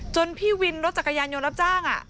พี่วินรถจักรยานยนต์รับจ้าง